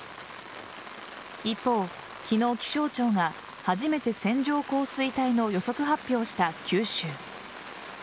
一方、昨日気象庁が初めて線状降水帯の予測発表をした九州。